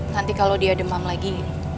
nanti kalau dia demam lagi